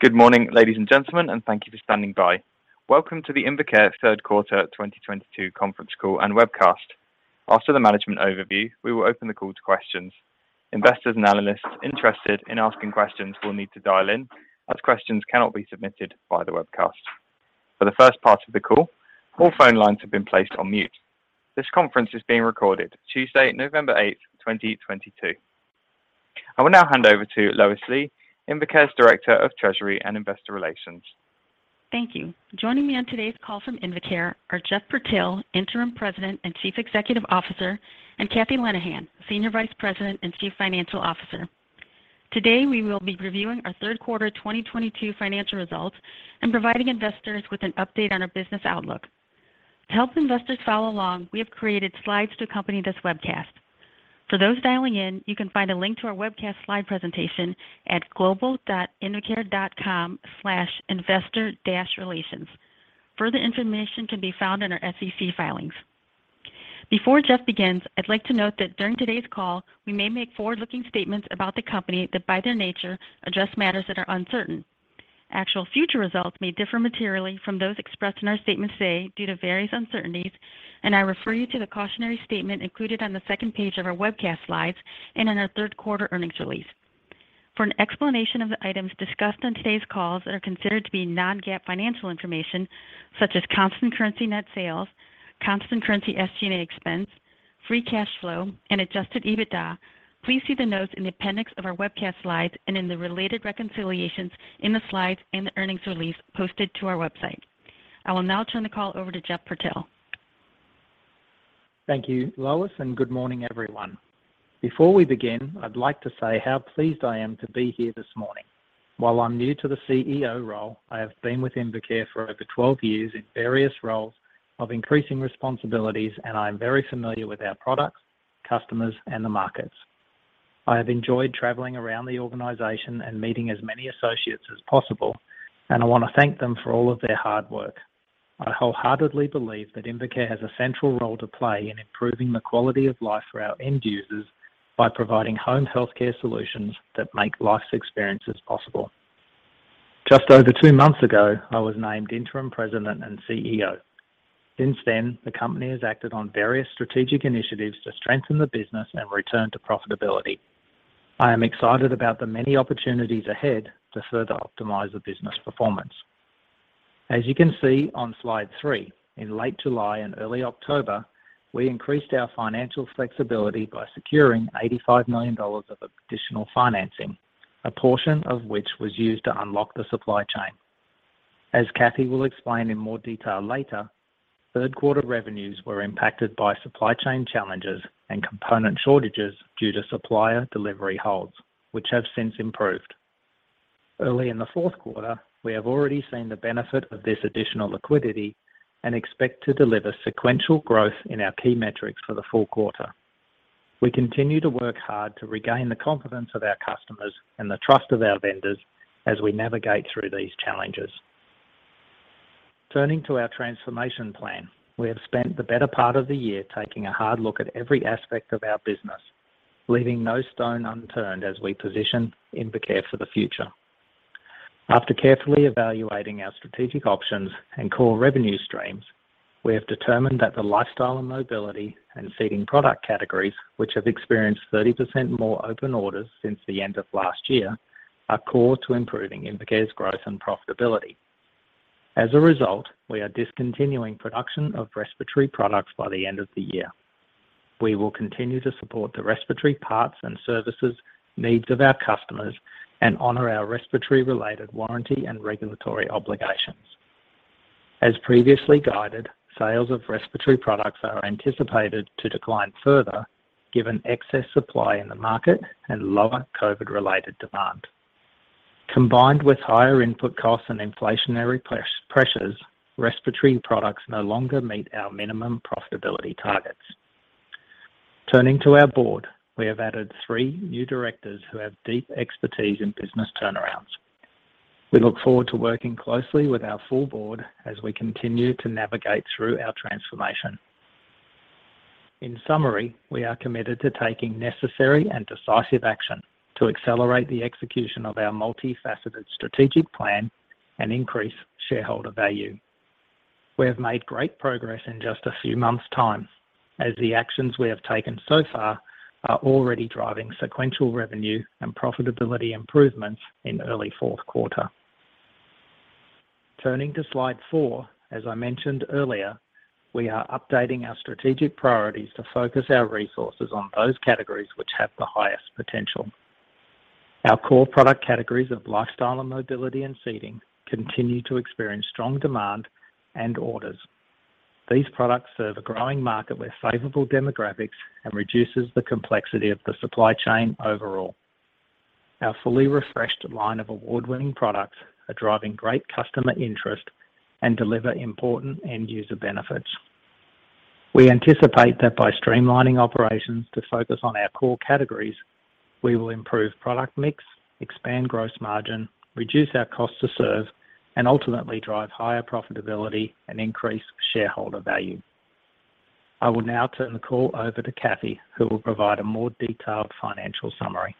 Good morning, ladies and gentlemen. Thank you for standing by. Welcome to the Invacare Third Quarter 2022 Conference Call and Webcast. After the management overview, we will open the call to questions. Investors and analysts interested in asking questions will need to dial in, as questions cannot be submitted via the webcast. For the first part of the call, all phone lines have been placed on mute. This conference is being recorded Tuesday, November 8th, 2022. I will now hand over to Lois Lee, Invacare's Director of Treasury and Investor Relations. Thank you. Joining me on today's call from Invacare are Geoff Purtill, Interim President and Chief Executive Officer, and Kathy Leneghan, Senior Vice President and Chief Financial Officer. Today, we will be reviewing our third quarter 2022 financial results and providing investors with an update on our business outlook. To help investors follow along, we have created slides to accompany this webcast. For those dialing in, you can find a link to our webcast slide presentation at global.invacare.com/investor-relations. Further information can be found in our SEC filings. Before Geoff begins, I'd like to note that during today's call, we may make forward-looking statements about the company that, by their nature, address matters that are uncertain. Actual future results may differ materially from those expressed in our statements today due to various uncertainties. I refer you to the cautionary statement included on the second page of our webcast slides and in our third quarter earnings release. For an explanation of the items discussed on today's calls that are considered to be non-GAAP financial information, such as constant currency net sales, constant currency SG&A expense, free cash flow, and adjusted EBITDA, please see the notes in the appendix of our webcast slides and in the related reconciliations in the slides and the earnings release posted to our website. I will now turn the call over to Geoff Purtill. Thank you, Lois. Good morning, everyone. Before we begin, I'd like to say how pleased I am to be here this morning. While I'm new to the CEO role, I have been with Invacare for over 12 years in various roles of increasing responsibilities, and I am very familiar with our products, customers, and the markets. I have enjoyed traveling around the organization and meeting as many associates as possible, and I want to thank them for all of their hard work. I wholeheartedly believe that Invacare has a central role to play in improving the quality of life for our end users by providing home healthcare solutions that make life's experiences possible. Just over two months ago, I was named interim president and CEO. Since then, the company has acted on various strategic initiatives to strengthen the business and return to profitability. I am excited about the many opportunities ahead to further optimize the business performance. As you can see on slide three, in late July and early October, we increased our financial flexibility by securing $85 million of additional financing, a portion of which was used to unlock the supply chain. As Kathy will explain in more detail later, third quarter revenues were impacted by supply chain challenges and component shortages due to supplier delivery holds, which have since improved. Early in the fourth quarter, we have already seen the benefit of this additional liquidity and expect to deliver sequential growth in our key metrics for the full quarter. We continue to work hard to regain the confidence of our customers and the trust of our vendors as we navigate through these challenges. Turning to our transformation plan, we have spent the better part of the year taking a hard look at every aspect of our business, leaving no stone unturned as we position Invacare for the future. After carefully evaluating our strategic options and core revenue streams, we have determined that the lifestyle and mobility and seating product categories, which have experienced 30% more open orders since the end of last year, are core to improving Invacare's growth and profitability. As a result, we are discontinuing production of respiratory products by the end of the year. We will continue to support the respiratory parts and services needs of our customers and honor our respiratory-related warranty and regulatory obligations. As previously guided, sales of respiratory products are anticipated to decline further given excess supply in the market and lower COVID-related demand. Combined with higher input costs and inflationary pressures, respiratory products no longer meet our minimum profitability targets. Turning to our board, we have added three new directors who have deep expertise in business turnarounds. We look forward to working closely with our full board as we continue to navigate through our transformation. In summary, we are committed to taking necessary and decisive action to accelerate the execution of our multifaceted strategic plan and increase shareholder value. We have made great progress in just a few months' time, as the actions we have taken so far are already driving sequential revenue and profitability improvements in early fourth quarter. Turning to slide four, as I mentioned earlier, we are updating our strategic priorities to focus our resources on those categories which have the highest potential. Our core product categories of lifestyle and mobility and seating continue to experience strong demand and orders. These products serve a growing market with favorable demographics and reduces the complexity of the supply chain overall. Our fully refreshed line of award-winning products are driving great customer interest and deliver important end user benefits. We anticipate that by streamlining operations to focus on our core categories, we will improve product mix, expand gross margin, reduce our cost to serve, and ultimately drive higher profitability and increase shareholder value. I will now turn the call over to Kathy, who will provide a more detailed financial summary.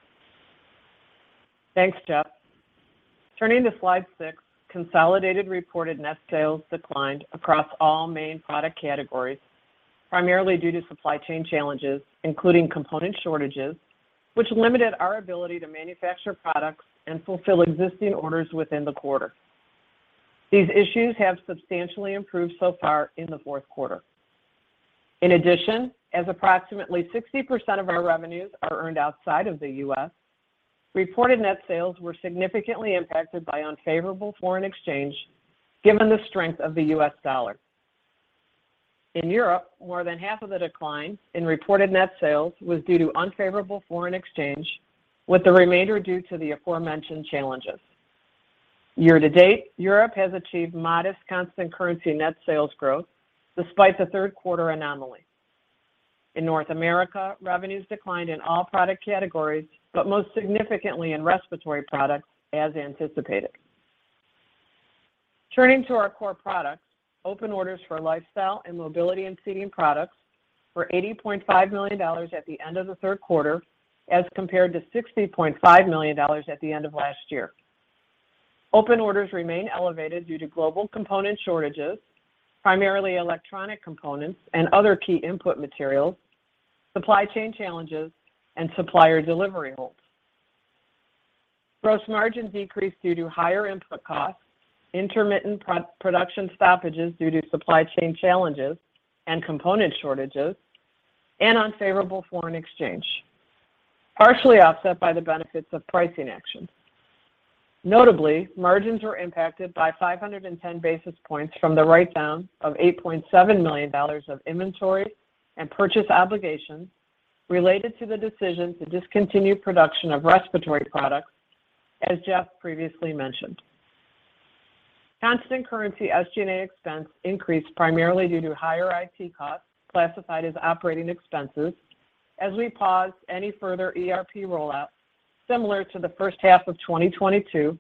Thanks, Geoff. Turning to slide six, consolidated reported net sales declined across all main product categories, primarily due to supply chain challenges, including component shortages, which limited our ability to manufacture products and fulfill existing orders within the quarter. These issues have substantially improved so far in the fourth quarter. In addition, as approximately 60% of our revenues are earned outside of the U.S., reported net sales were significantly impacted by unfavorable foreign exchange given the strength of the U.S. dollar. In Europe, more than half of the decline in reported net sales was due to unfavorable foreign exchange, with the remainder due to the aforementioned challenges. Year-to-date, Europe has achieved modest constant currency net sales growth despite the third quarter anomaly. In North America, revenues declined in all product categories, but most significantly in respiratory products, as anticipated. Turning to our core products, open orders for lifestyle and mobility and seating products were $80.5 million at the end of the third quarter, as compared to $60.5 million at the end of last year. Open orders remain elevated due to global component shortages, primarily electronic components and other key input materials, supply chain challenges, and supplier delivery holds. Gross margins decreased due to higher input costs, intermittent production stoppages due to supply chain challenges and component shortages, and unfavorable foreign exchange, partially offset by the benefits of pricing actions. Notably, margins were impacted by 510 basis points from the write-down of $8.7 million of inventory and purchase obligations related to the decision to discontinue production of respiratory products, as Geoff previously mentioned. Constant currency SG&A expense increased primarily due to higher IT costs classified as operating expenses as we paused any further ERP rollout, similar to the first half of 2022,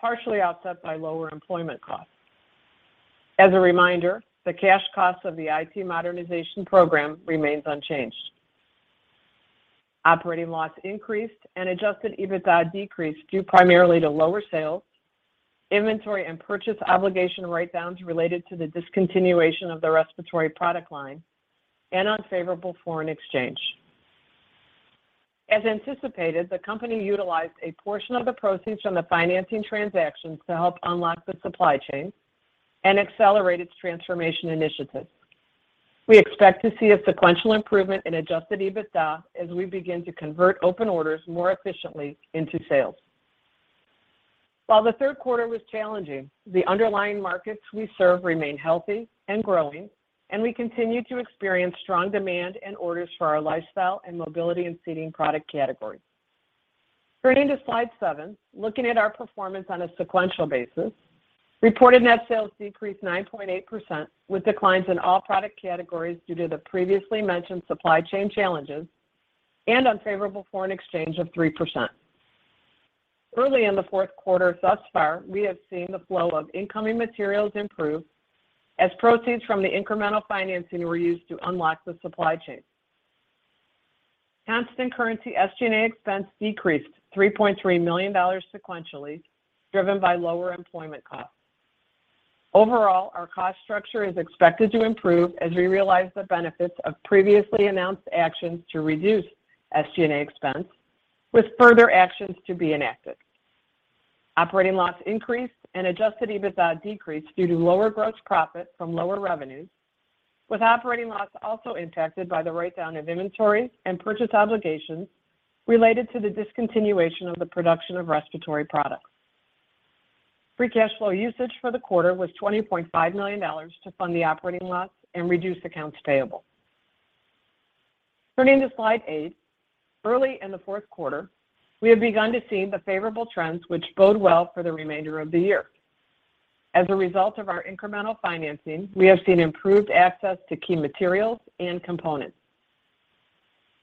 partially offset by lower employment costs. As a reminder, the cash costs of the IT modernization program remains unchanged. Operating loss increased and adjusted EBITDA decreased due primarily to lower sales, inventory, and purchase obligation write-downs related to the discontinuation of the respiratory product line and unfavorable foreign exchange. As anticipated, the company utilized a portion of the proceeds from the financing transactions to help unlock the supply chain and accelerate its transformation initiatives. We expect to see a sequential improvement in adjusted EBITDA as we begin to convert open orders more efficiently into sales. While the third quarter was challenging, the underlying markets we serve remain healthy and growing, and we continue to experience strong demand and orders for our lifestyle and mobility and seating product categories. Turning to slide seven, looking at our performance on a sequential basis, reported net sales decreased 9.8% with declines in all product categories due to the previously mentioned supply chain challenges and unfavorable foreign exchange of 3%. Early in the fourth quarter, thus far, we have seen the flow of incoming materials improve as proceeds from the incremental financing were used to unlock the supply chain. Constant currency SG&A expense decreased $3.3 million sequentially, driven by lower employment costs. Overall, our cost structure is expected to improve as we realize the benefits of previously announced actions to reduce SG&A expense, with further actions to be enacted. Operating loss increased and adjusted EBITDA decreased due to lower gross profit from lower revenues, with operating loss also impacted by the write-down of inventories and purchase obligations related to the discontinuation of the production of respiratory products. Free cash flow usage for the quarter was $20.5 million to fund the operating loss and reduce accounts payable. Turning to slide eight, early in the fourth quarter, we have begun to see the favorable trends which bode well for the remainder of the year. As a result of our incremental financing, we have seen improved access to key materials and components.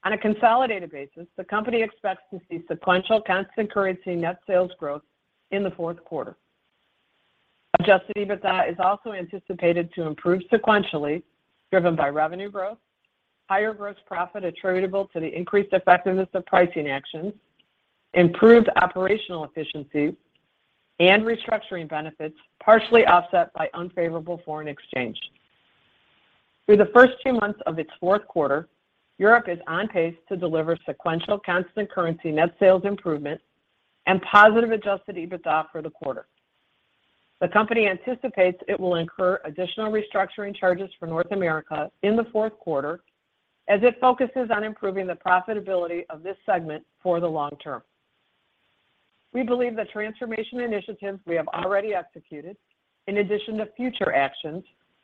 On a consolidated basis, the company expects to see sequential constant currency net sales growth in the fourth quarter. Adjusted EBITDA is also anticipated to improve sequentially, driven by revenue growth, higher gross profit attributable to the increased effectiveness of pricing actions, improved operational efficiency, and restructuring benefits partially offset by unfavorable foreign exchange. Through the first two months of its fourth quarter, Europe is on pace to deliver sequential constant currency net sales improvement and positive adjusted EBITDA for the quarter. The company anticipates it will incur additional restructuring charges for North America in the fourth quarter as it focuses on improving the profitability of this segment for the long term. We believe the transformation initiatives we have already executed, in addition to future actions,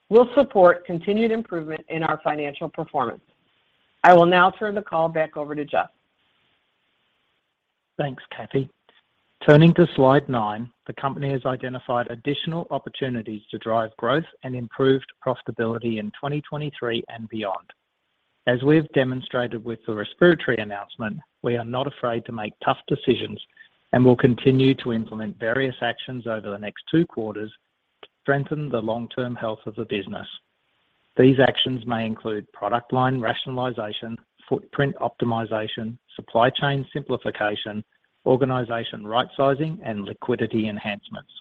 will support continued improvement in our financial performance. I will now turn the call back over to Geoff. Thanks, Kathy. Turning to slide nine, the company has identified additional opportunities to drive growth and improved profitability in 2023 and beyond. As we've demonstrated with the respiratory announcement, we are not afraid to make tough decisions and will continue to implement various actions over the next two quarters to strengthen the long-term health of the business. These actions may include product line rationalization, footprint optimization, supply chain simplification, organization rightsizing, and liquidity enhancements.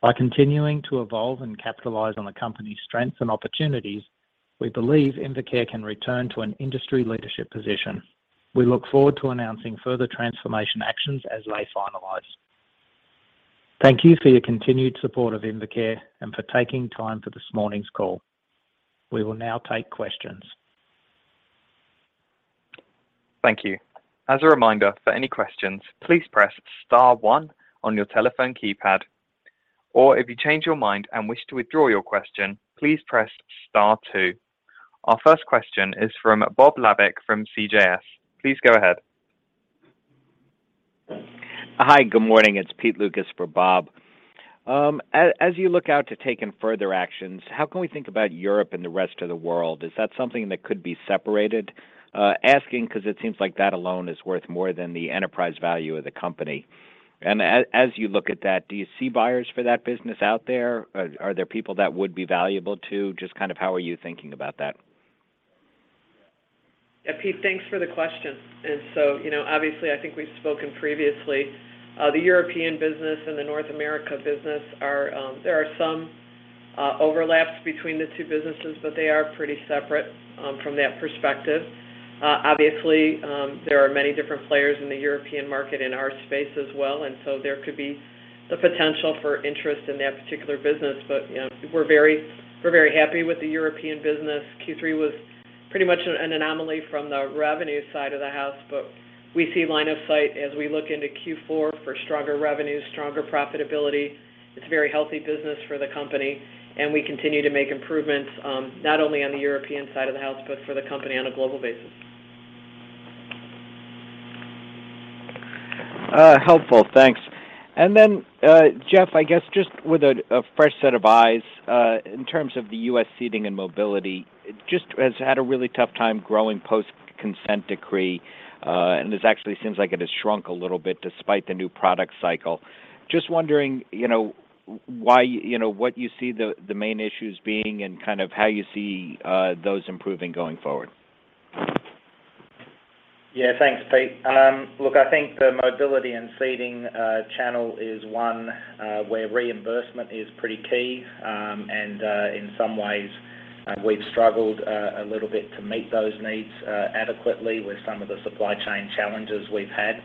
By continuing to evolve and capitalize on the company's strengths and opportunities, we believe Invacare can return to an industry leadership position. We look forward to announcing further transformation actions as they finalize. Thank you for your continued support of Invacare and for taking time for this morning's call. We will now take questions. Thank you. As a reminder, for any questions, please press star one on your telephone keypad. Or if you change your mind and wish to withdraw your question, please press star two. Our first question is from Bob Labick from CJS. Please go ahead. Hi, good morning. It's Peter Lukas for Bob. As you look out to taking further actions, how can we think about Europe and the rest of the world? Is that something that could be separated? Asking because it seems like that alone is worth more than the enterprise value of the company. As you look at that, do you see buyers for that business out there? Are there people that would be valuable too? Just how are you thinking about that? Yeah, Pete, thanks for the question. Obviously, I think we've spoken previously. The European business and the North America business, there are some overlaps between the two businesses, but they are pretty separate from that perspective. Obviously, there are many different players in the European market in our space as well, there could be the potential for interest in that particular business. We're very happy with the European business. Q3 was pretty much an anomaly from the revenue side of the house, we see line of sight as we look into Q4 for stronger revenue, stronger profitability. It's a very healthy business for the company, and we continue to make improvements, not only on the European side of the house, but for the company on a global basis. Helpful. Thanks. Geoff, I guess just with a fresh set of eyes, in terms of the U.S. seating and mobility, it just has had a really tough time growing post consent decree. This actually seems like it has shrunk a little bit despite the new product cycle. Just wondering what you see the main issues being and how you see those improving going forward. Yeah. Thanks, Pete. Look, I think the mobility and seating channel is one where reimbursement is pretty key. In some ways, we've struggled a little bit to meet those needs adequately with some of the supply chain challenges we've had.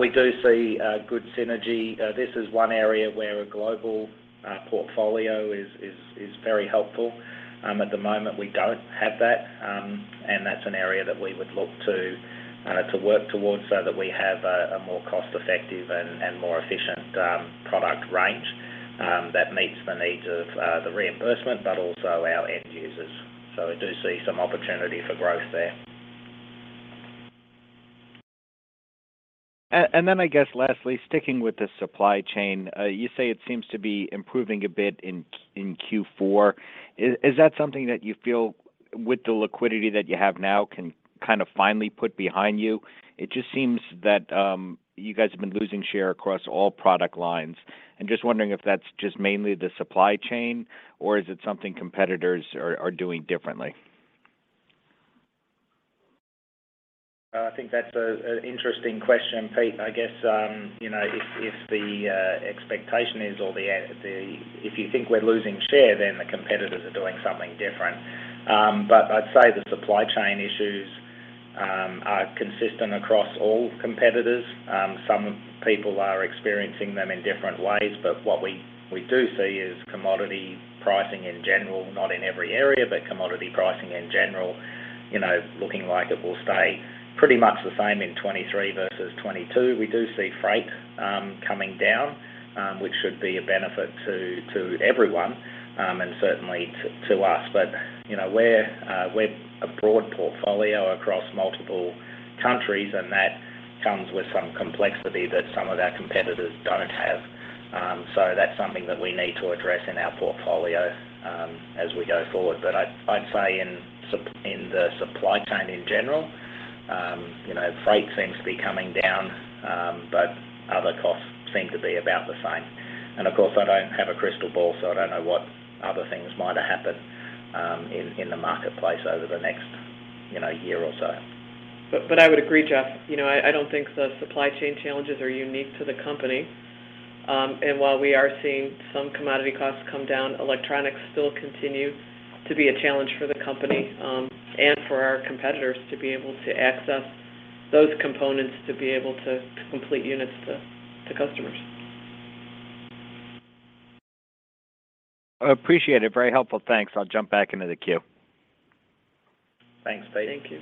We do see good synergy. This is one area where a global portfolio is very helpful. At the moment, we don't have that's an area that we would look to work towards so that we have a more cost-effective and more efficient product range that meets the needs of the reimbursement, but also our end users. We do see some opportunity for growth there. I guess lastly, sticking with the supply chain. You say it seems to be improving a bit in Q4. Is that something that you feel with the liquidity that you have now can finally put behind you? It just seems that you guys have been losing share across all product lines. I'm just wondering if that's just mainly the supply chain, or is it something competitors are doing differently? I think that's an interesting question, Pete. I guess, if the expectation is, or if you think we're losing share, then the competitors are doing something different. I'd say the supply chain issues are consistent across all competitors. Some people are experiencing them in different ways, but what we do see is commodity pricing in general, not in every area, but commodity pricing in general looking like it will stay pretty much the same in 2023 versus 2022. We do see freight coming down, which should be a benefit to everyone, and certainly to us. We're a broad portfolio across multiple countries, and that comes with some complexity that some of our competitors don't have. That's something that we need to address in our portfolio as we go forward. I'd say in the supply chain in general, freight seems to be coming down, but other costs seem to be about the same. Of course, I don't have a crystal ball, so I don't know what other things might happen in the marketplace over the next year or so. I would agree, Geoff. I don't think the supply chain challenges are unique to the company. While we are seeing some commodity costs come down, electronics still continue to be a challenge for the company and for our competitors to be able to access those components to be able to complete units to customers. I appreciate it. Very helpful. Thanks. I'll jump back into the queue. Thanks, Pete. Thank you.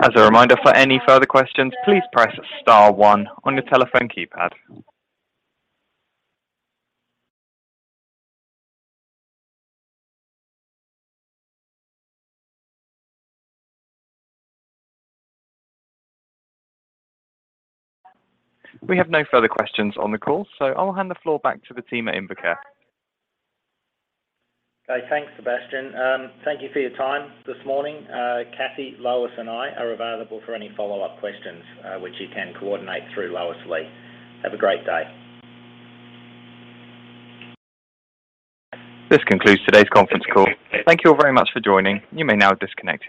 As a reminder, for any further questions, please press star one on your telephone keypad. We have no further questions on the call, I will hand the floor back to the team at Invacare. Okay. Thanks, Sebastian. Thank you for your time this morning. Kathy, Lois, and I are available for any follow-up questions, which you can coordinate through Lois Lee. Have a great day. This concludes today's conference call. Thank you all very much for joining. You may now disconnect.